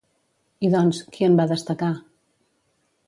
I doncs, qui en va destacar?